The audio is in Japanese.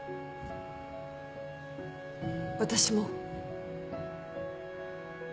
私も。